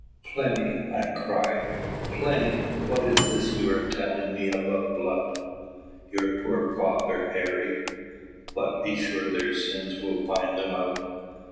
"Plinny," I cried "Plinny, what is this you are telling me about blood?" "Your poor father, Harry But be sure their sins will find them out!